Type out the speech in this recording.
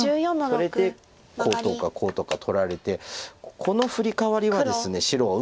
それでこうとかこうとか取られてこのフリカワリはですね白は。